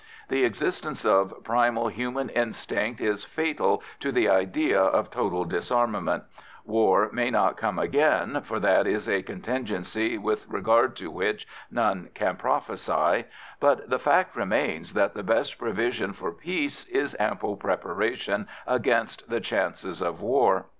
The existence of primal human instinct is fatal to the idea of total disarmament; war may not come again, for that is a contingency with regard to which none can prophesy, but the fact remains that the best provision for peace is ample preparation against the chances of war.